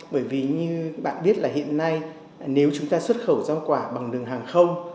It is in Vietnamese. bởi vì như bạn biết là hiện nay nếu chúng ta xuất khẩu rau quả bằng đường hàng không